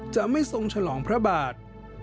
จะไม่ทรงฉลองพระบาท